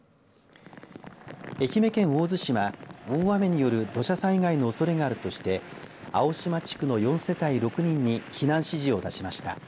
愛媛県大洲市は大雨による土砂災害のおそれがあるとして青島地区の４世帯６人に避難指示を出しました。